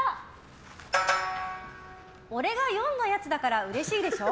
「俺が読んだやつだからうれしいでしょ？」